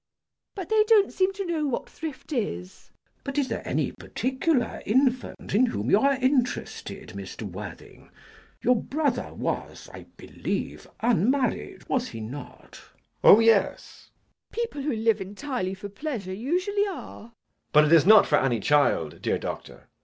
But they don't seem to know what thrift is. CHASUBLE. But is there any particular infant in whom you are interested, Mr. Worthing? Your brother was, I believe, unmarried, was he not? JACK. Oh yes. MISS PRISM. [Bitterly.] People who live entirely for pleasure usually are. JACK. But it is not for any child, dear Doctor.